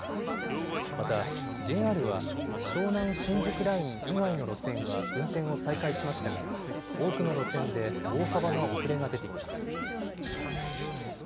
またＪＲは湘南新宿ライン以外の路線は運転を再開しましたが多くの路線で大幅な遅れが出ています。